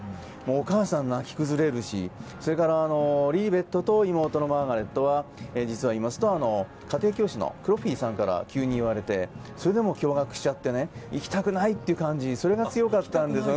お母さんは泣き崩れるしリリベットと妹のマーガレットは実は家庭教師のクロフィさんから急に言われてそれでも驚愕しちゃって行きたくないという気持ちそれが強かったと。